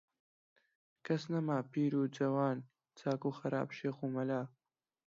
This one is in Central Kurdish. کەس نەما، پیر و جەوان، چاک و خراپ، شێخ و مەلا